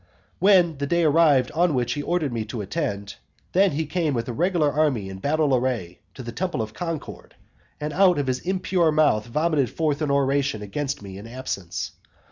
When the day arrived on which he had ordered me to attend, then he came with a regular army in battle array to the temple of Concord, and out of his impure mouth vomited forth an oration against me in my absence.